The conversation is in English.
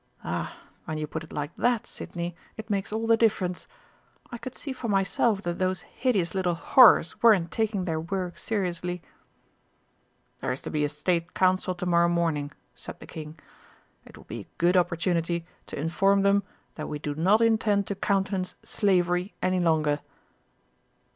"Ah, when you put it like that, Sidney, it makes all the difference. I could see for myself that those hideous little horrors weren't taking their work seriously." "There's to be a State Council to morrow morning," said the King. "It would be a good opportunity to inform them that we do not intend to countenance slavery any longer."